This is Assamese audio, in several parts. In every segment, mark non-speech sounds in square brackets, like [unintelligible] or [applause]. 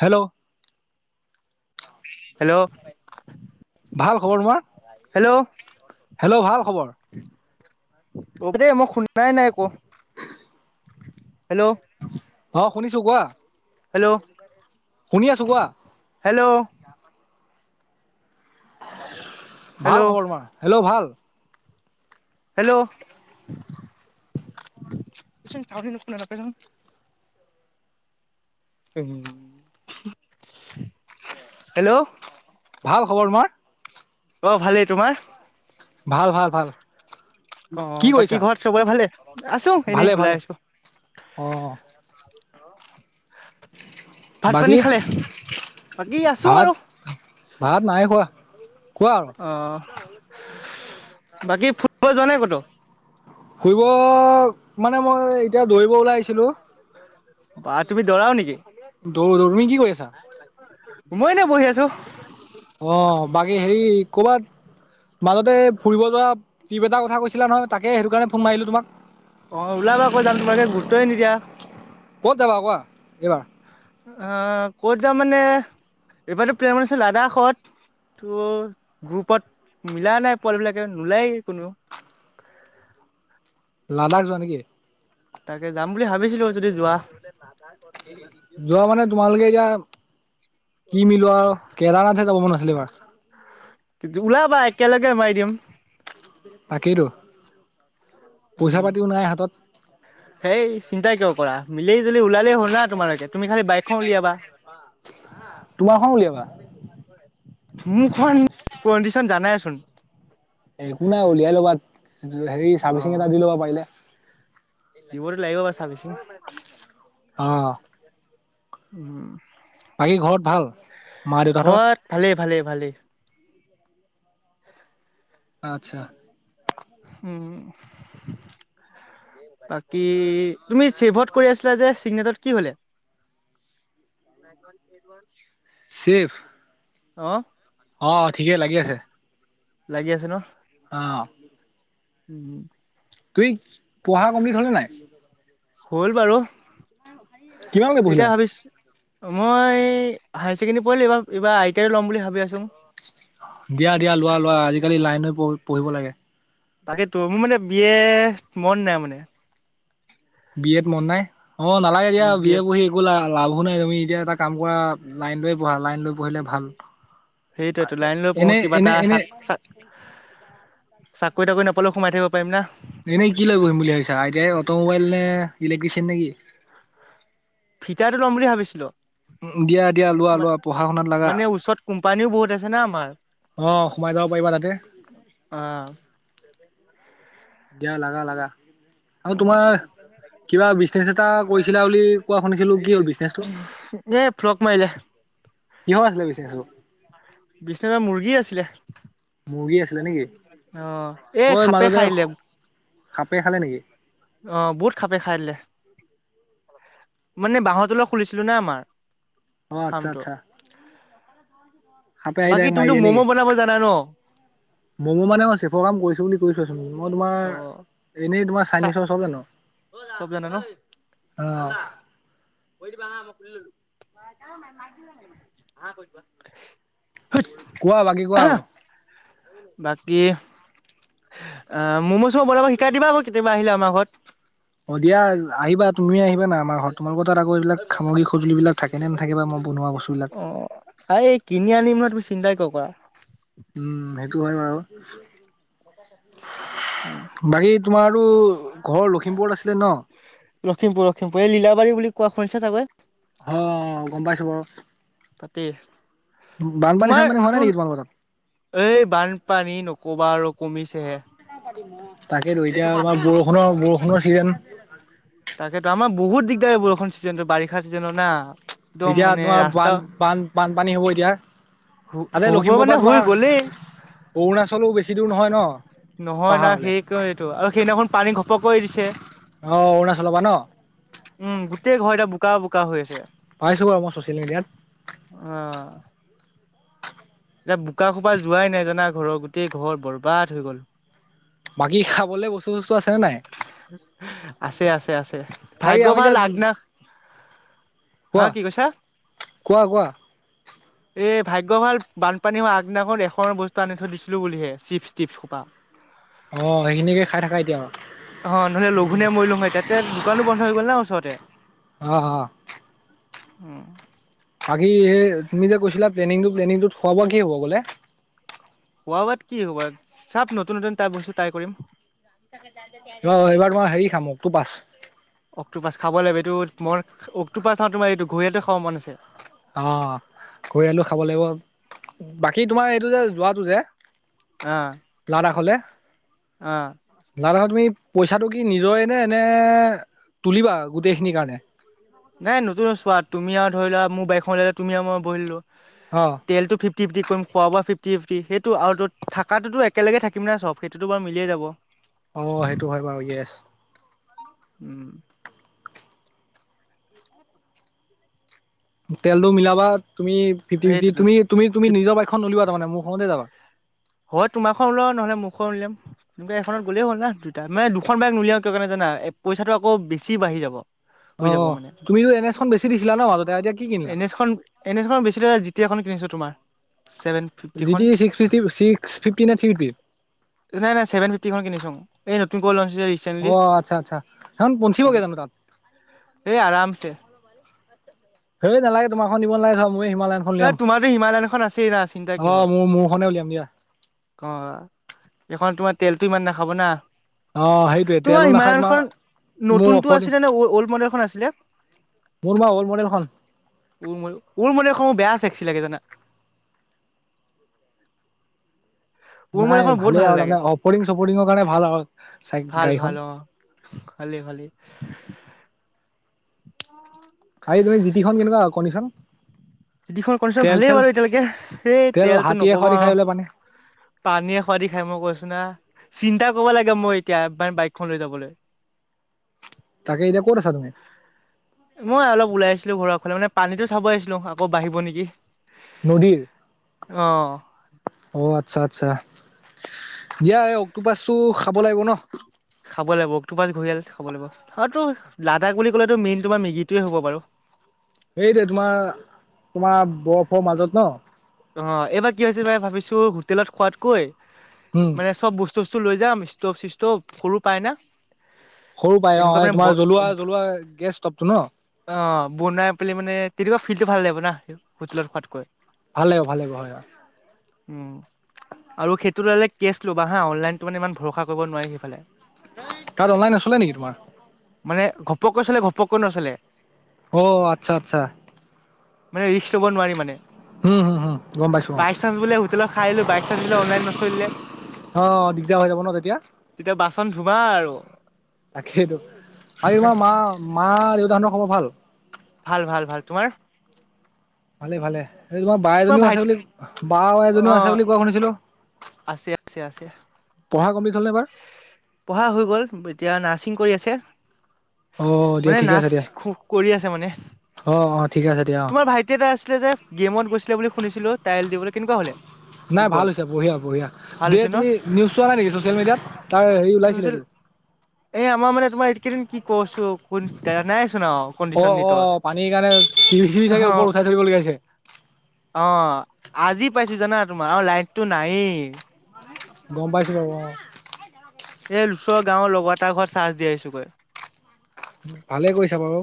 হেল্ল' হেল্ল' ভাল খবৰ হেল্ল' তোমাৰ হেল্ল' ভাল খবৰ অ ৰব দেই মই শুনাই নাই একো হেল্ল' অ শুনিছো কোৱা। হেল্ল' শুনি আছো কোৱা হেল্ল' ভাল হেল্ল' খবৰ তোমাৰ হেল্ল' ভাল হেল্ল' উ হেল্ল' ভাল খবৰ তোমাৰ অঁ ভালেই তোমাৰ ভাল ভাল ভাল অ কি বাকী কৰিছা ঘৰত চবৰে ভালে আছো এনে ভালে ভালে ওলাই আছো অ ভাত পানী বাকী খালে বাকী আছো ভাত আৰু ভাত নাই খোৱা কোৱা আৰু অ বাকী ফুৰব যোৱা নাই ক'তো [unintelligible] ফুৰিব মানে মই এতিয়া দৌৰিব ওলাই আহিছিলো। বা তুমি দৰাও নেকি? দৌৰো দৌৰো তুমি কি কৰি আছা? মই এনে বহি আছো। অ বাকী হেৰি কৰ'বাত মাজতে ফুৰিব যোৱা ট্ৰিপ এটা কথা কৈছিলা নহয়। তাকে সেইটো কাৰণে ফোন মাৰিলো তোমাক অ ওলাবা আকৌ যাম তোমালোকে গুৰুতই নিদিয়া ক'ত যাবা কোৱা এইবাৰ অ ক'ত যাম মানে এইবাৰো প্লেন মান আছে লাডাখত [unintelligible] ত' গ্ৰুপত মিলা নাই পোৱালি বিলাকে নোলায়ে কোনো লাডাখ যোৱা নেকি? তাকে যাম বুলি ভাবিছিলো যদি যোৱা যোৱা মানে তোমালোকে এতিয়া কি মিলোৱা আৰু কেদাৰনাথে যাব মন আছিল এইবাৰ কি ওলাবা একেলগে মাৰি দিম তাকেইতো পইচা উম পাতিও নাই হাতত। সেই চিন্তাই কিয় কৰা মিলি জুলি ওলালেই হল না তোমালোকে তুমি খালি বাইকখন উলিয়াবা তোমাৰখন উলিয়াবা মোৰখন কণ্ডিশন জানাইচোন। এ একো নাই উলিয়াই ল'বা হেৰি চাৰ্ভিচিং এটা দি ল'বা পাৰিলে। দিব টো লাগিব ছাৰ্ভিচিং অ উম বাকী ঘৰত ভাল মা দেউতাহঁতৰ? ঘৰত ভালেই ভালেই ভালেই আচ্ছা হুম বাকী তুমি ছেভত কৰি আছিলা যে চিগনেটত কি হলে। এড এড শিৱ অ অ ঠিকে লাগি আছে। লাগি আছে ন। অহ উম হম তুমি পঢ়া কমপ্লিট হ'লে নাই? হ'ল বাৰু কিমানলৈকে এতিয়া পঢ়িলা? ভাবিছো মই হায়াৰ ছেকেণ্ডৰী পঢ়িলি। এইবাৰ আই টি আই ল'ম বুলি ভাবি আছো। দিয়া দিয়া লোৱা লোৱা আজিকালি লাইন লৈ পঢ়িব লাগে। তাকেইতো মোৰ মানে বি এ মন নাই মানে বি এত মন নাই অ নালাগে দিয়া বি এ পঢ়ি একো লাভ নাই। লাভো নাই তুমি এতিয়া এটা কাম কৰা লাইন লয়ে পঢ়া লাইন লৈ পঢ়িলে ভাল। সেইটোয়েতো লাইন লৈ পঢ়ো এনে কিবা এটা এনে এনে চাক চাকৰি তাকৰি নাপালেও সোমাই থাকিব পাৰিম ন এনেই কি লৈ বহিম বুলি ভাবিছা আই টি আই অট'মোবাইল নে ইলেক্ট্ৰিচিয়ান নে কি? ফিতাটো লম বুলি ভাবিছিলো। উ দিয়া দিয়া লোৱা লোৱা পঢ়া শুনাত লাগা কোমপানীও বহুত আছেনা আমাৰ অ সোমাই যাব পাৰিবা তাতে অ দিয়া লাগা লাগা আৰু উম তোমাৰ কিবা বিজনেছ এটা কৰিছিলা বুলি কোৱা শুনিছিলো কি হ'ল বিজনেছটো এ ফ্লক মাৰিলে কিহৰ আছিলে বিজনেছটো বিচেৰা মুৰ্গী আছিলে মুৰ্গী আছিলে নেকি অ এ ঐ সাপে মাজতে খাইলে সাপে খালে নেকি অহ বহুত সাপে খাই দিলে মানে বাঁহৰ তলত খুলিছিলো না আমাৰ অ আচ্ছা ফাৰ্মটো আচ্ছা [inaudible] সাপে আহি তাইক মাৰি তুমিতো দিয়ে নেকি? ম'ম' বনাব জানা ন মমো মানে অ চেফৰ কাম কৰিছো বুলি কৈ থৈছোঁ। মই অ তোমাৰ এনেই তোমাৰ চা চাইনিজৰ চব জানো চব জান ন ঐ অ' ধান্দা সেইকেইটা আম [unintelligible] কোৱা বাকী কোৱা আৰু বাকী অ ম'ম' চোমো বনাব শিকাই দিবা আকৌ কেতিয়াবা আহিলে আমাৰ ঘৰত অ দিয়া আহিবা তুমি আহিবা না আমাৰ ঘৰত তোমাৰ লগৰ তাত আকৌ এইবিলাক সামগ্ৰী সঁজুলিবিলাক থাকে নে নাথাকে বা মই বনোৱা বস্তুবিলাক অ এই কিনি আনিম নহয় তুমি চিন্তাই ক বা উম সেইটো হয় বাৰু অ বাকী তোমাৰো ঘৰ লখিমপুৰত আছিলে ন? লখিমপুৰ লখিমপুৰ এই লীলাবাৰী বুলি কোৱা শুনিছা চাগৈ অ গম পাইছো বাৰু তাতে বানপানী তোমাৰ চানপানী হোৱা নাই তোৰ নেকি তোমালোকৰ তাত? এই বানপানী নকবা আৰু কমিছেহে তাকেইতো এতিয়া আমাৰ বৰষুণৰ বৰষুণৰ ছিজন তাকেতো আমাৰ বহুত দিগদাৰ হয় বৰষুণ চিজনতো বাৰিষাৰ চিজনত না একদম এতিয়া মানে তোমাৰ ৰাস্তা বান বান বানপানী হ'ব এতিয়া তাতে হ'ব লখিমপুৰ মানে পৰা হৈ গ'লেই তোমাৰ অৰুণাচলো বেছি দূৰ নহয় ন, নহয় না পাহাৰলে? সেই এইটো আৰু সেইদিনাখন পানী ঘপক দিছে অ উ উম গোটেই ঘৰ এতিয়া বোকা বোকা হৈ আছে। পাইছো বাৰু মই চচিয়েল মিডিয়াত অ এতিয়া বোকা খোপা যোৱাই নাই জানা ঘৰৰ গোটেই ঘৰ বৰবাদ হৈ গ'ল বাকী খাবলে বস্তু-চস্তু আছেনে নাই? আছে-আছে-আছে বাকী ভাগ্য আমি ভাল যে আগদিনা হা কোৱা কি কোৱা-কোৱা এ ভাগ্য ভাল বানপানী হোৱা আগদিনাখন লেখৰ বস্তু আনি থৈ দিছিলো বুলিহে চিপ-টিপ হোপা অ সেইখিনিকে খাই থাকা এতিয়া অ নহলে লঘোনে মৰিলোং হয় তাতে দোকানো বন্ধ হৈ গ'ল না ওচৰতে। অঁ-অঁ হম তুমি যে কৈছিলা প্লেনিংটো-প্লেনিংটোত খোৱা-বোৱা কি হ'ব বোলে। খোৱা-বোৱাত কি হ'ব চব নতুন-নতুন তাই বস্তু ট্ৰাই কৰিম ৰ এইবাৰ মই হেৰি খাম অক্টোপাছ অক্টোপাছ খাব লাগিব এইটো মই অক্টোপাছ তোমাৰ এইটো ঘৰিয়ালটো খাব মন আছে। অ ঘৰিয়ালটো খাব লাগিব বাকী তোমাৰ এইটো যে যোৱাটো যে অ লাডাখ হলে অ লাডাখত তুমি? পইচাটো কি নিজৰে নে তুলিবা গোটেইখিনি কাৰণে? নাই নতুন চোৱা তুমি আৰু ধৰি লোৱা মোৰ বাইকখন ললে তুমি আৰু মই বহিলো অ', তেলটো ফিফটি-ফিফটি কৰিম, খোৱা-বোৱা ফিফটি টি ফিফটি সেইটো আৰু ত থাকটোতো একেলগে থাকিম নাই চব সেইটোতো বাৰু মিলিয়েই যাব। অ সেইটো হয় বাৰু ইয়েছ উম তেলটো মিলাবা তুমি ফিফটি-ফিফটি, সেইটোতো তুমি-তুমি-তুমি নিজৰ বাইকখন নোলিৱা তাৰমানে মোৰ খনতে যাবা? হয় তোমাৰখন ওলিওৱা নহ'লে মোৰখন ওলিয়াম তু এইখনত গ'লেই হ'ল ন দুটা মে দুখন বাইক উলিয়া কিয় কাৰণে জানা? এই পইচাটো আকৌ বেছি বাঢ়ি যাব। হৈ অ', যাবমানে তুমিতো এন এছখন বেছি দিছিলা ন' মাজতে এতিয়া কি কিনিলা? এনেছখন-এনেছখন বেছি লাগে যেতিয়াখন [unintelligible] তোমাৰ ছেভেন জি ফিফটিখন টি ছিক্স ফিফটি ছিক্স ফিফটি নে থ্ৰী ফিফটি? নাই-নাই ছেভেন ফিফটিখন কিনিছোং এই নতুন অ আচ্ছা-আচ্ছা সেইখন এখন পনচিবগে জানো তাত এই আৰামছে। হেই নালাগে তোমাৰখন নিব নালাগে মই হিমালয়নখন এ উলিয়াম তোমাৰতো হিমালয়ান এখন আছেই না চিন্তা অ কিহৰ মোৰ-মোৰখনে উলিয়াম দিয়া। অ এইখন তোমাৰ তেলতো ইমান নাখাব না। অ', সেইটোৱে তেলো তোমাৰ নাখায় ইমানখন মোৰ নতুনটো অপৰিং আছিলে নে অল্ড মডেলখন আছিলে? মোৰ বা অল্ড মডেলখন অল্ড মডেলখন মোৰ বেয়া আছে। লাগে জানা অল্ড নাই মডেলখন বহুত ভালেই ভাল আৰু লাগে। তাৰমানে অপৰিং-চপৰিঙৰ কাৰণে ভাল আৰু চাই গাড়ীখন ভালেই, ভালেই। অ [unintelligible] আ তুমি জিতিখন কেনেকুৱা কনদিচন [unintelligible] চিটিখন কণ্ডিশন ভালেই বাৰু এতিয়ালৈকে সেই তেল তেলটো হাতীয়ে নকবা খৰি খাই আৰু পেলাই পানে [unintelligible] পানী এ খোৱাদি খাই মই কৈছো না। চিন্তা কৰিব লাগে মই এতিয়া বাইকখন লৈ যাবলৈ [unintelligible] তাকে এতিয়া ক'ত আছা তুমি? মই অলপ ওলাই আছিলো ঘৰৰ ফালে মানে পানীতো চাব আহিছিলো আকৌ বাঢ়িব নেকি [unintelligible] নদীৰ অ [inaudible] অ আচ্ছা-আচ্ছা দিয়া অক্টোপাচটো খাব লাগিব ন। খাব লাগিব অক্টোপাছ ঘূৰি খাব লাগিব আৰু তো লাডাখ বুলি কলেতো মেইন তোমাৰ মেগীটোৱেইয হ'ব বাৰু। [unintelligible] সেইটোৱেই তোমাৰ-তোমাৰ বৰফৰ মাজত ন? অ এইবাৰ কি হৈছে মানে ভাবিছো হোটেলত খোৱাতকৈ উম মানে চব বস্তু [unintelligible] লৈ যাম ষ্টভ চিস্তভ সৰু পাই না। সৰু পাই অ তেনেকুৱা এই মানে ব তোমাৰ জ্বলোৱা- জ্বলোৱা গেছ ষ্টভটো ন। অ বনাই পেলাই মানে তেনেকুৱা ফিল্টো ভাল লাগিব না হোটেলত খোৱাতকৈ। ভালে অ ভালে হয়। উম, আৰু সেইটো ললে কেছ ল'বা হা অনলাইনটো মানে ইমান ভৰসা কৰিব নোৱাৰি সেইফালে। তাত অনলাইন আছিলে নেকি তোমাৰ। ঘপকৈ চলে ঘপকৈ নছলে। অ আচ্ছা আচ্ছা। মানে ৰিস্ক লব নোৱাৰি মানে। হম হম হম গম পাইছো অ বাই চান্স বোলে হোটেলত খাই আহিলো বাই চান্স বোলে অনলাইন নচলিলে। অ দিগদাৰ হৈ যাব ন তেতিয়া। বাৰু। তাকেইটো মা- মা দেউতাহৰ খবৰ ভাল? ভাল ভাল ভাল তোমাৰ? ভালে ভালে তোমাৰ বা এজনীও আছে বুলি বা অ এজনীও আছে বুলি কোৱা শুনিছিলো। আছে আছে আছে। পঢ়া কমপ্লিট হ'লনে এইবাৰ পঢ়া হৈ গ'ল এতিয়া নাৰ্ছিং কৰি আছে। অ দিয়া মানে ঠিকে নাৰ্চ আছে দিয়া কৰি আছে মানে। অ অ ঠিকে আছে দিয়া অ তোমাৰ ভাইটি এটা আছিলে যে গেমত গৈছিলে বুলি শুনিছিলো টাইল দিবলৈ কেনেকুৱা হলে। নাই ভাল ফুটবল হৈছে বঢ়িয়া বঢ়িয়া ভাল দিয় হৈছে ন তুমি নিউজ চোৱা নাই নেকি চ'চিয়েল মিডিয়া। তাৰ হেৰি চছিল ওলাইছিলেতো। এই আমাৰ মানে তোমাৰ এইকেইদিন কি কৈছো কোন জানাইচোন আৰু অ কণ্ডিচন অ নিটৰ পানীৰ কাৰণে টিভী চিভী অ চাগে ওপৰত উঠাই থবলগীয়া হৈছে। [unintelligible] অ' আজি পাইছো জানা তোমাৰ আৰু লাইটটো নাইয়ে। গম পাইছিলো অ। এই ওচৰৰ গাঁৱৰ লগৰ এটা ঘৰত চাৰ্জ দি আহিছো গৈ। ভালে কৰিছা বাৰু।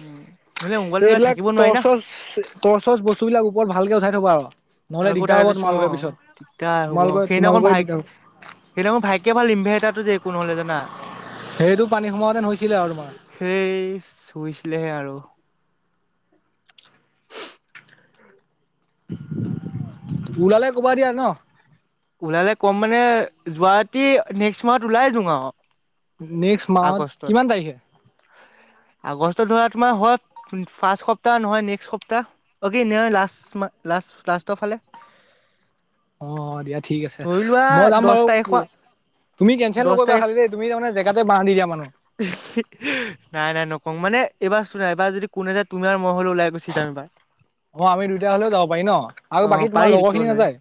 উম নহলে মোবাইলটো নহলে এইবিলাক থাকিব নোৱাৰি না তৰ্চ ৰ্চচ বস্তুবিলাক ওপৰত ভালকে উঠাই থবা আৰু। নহ'লে আৰু দিগদাৰ তাকে হ'ব দিছো তোমালোকে অ পিছত দিগদাৰ হ'ব তোমালোকে সেইদিনা অকণ তোমালোকৰে ভাইক। দিগদাৰ হ'ব সেইদিনাখন ভাগ্য ভাল ইম্ভেটাতো যে একো নহ'লে জানা। সেইটো পানী সোমাওঁতেন হৈছিলে আৰু তোমাৰ সেই শুইছিলেহে আৰু। ওলালে ক'বা দিয়া ন। ওলালে ক'ম মানে, যোৱা ৰাতি নেক্সট মাহত ওলাই দিও আৰু। নেক্সট মাহত কিমান তাৰিখে। আগষ্ট ধৰা তোমাৰ হয় ফাৰ্ষ্ট সপ্তা নহয় নেক্স সপ্তাহ অ কি। লাষ্টৰ ফালে। অ দিয়া ঠিক আছে ধৰি লোৱা মই যাম দহ বাৰু। তাৰিখৰ তুমি চেঞ্চেল দহ নকৰিবা তাৰিখ খালি দেই তুমি জেগাতে বাঁহ দি দিয়া মানুহ। নাই নাই নকওঁ মানে এইবাৰ চোৱা এইবাৰ যদি কোনে যে তোমাৰ মই হ'লেও ওলাই গুচি যাম এইবাৰ। অ' আমি দুইটা হ'লেও যাব পাৰি ন' অ আৰু বাকী পাৰি তোমাৰ লগৰ কিয় খিনি নোৱাৰি নাযায়?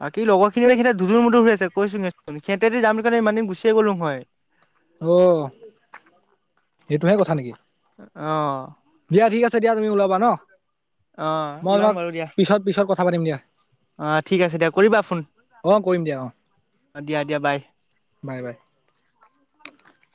বাকী লগৰ খিনি এ দুধুৰ-মুধুৰ হৈ আছে কৈছোয়েই চোন, সিহঁতে যাম কলে ইমান দিনে গুচায়েই গলুং হয়। অ', সেইটোহে কথা নিকি? অ'। দিয়া ঠিক আছে দিয়া তুমি ওলাবা ন, অ মই ওলাম তোমাক বাৰু দিয়া পিছত পিছত কথা পাতিম দিয়া। অ', ঠিক আছে দিয়া, কৰিবা ফোন। অঁ কৰিম দিয়া অঁ অ', দিয়া দিয়া বাই। [unintelligible]